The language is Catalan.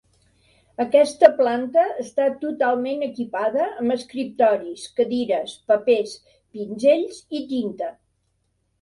Aquesta planta està totalment equipada amb escriptoris, cadires, papers, pinzells i tinta.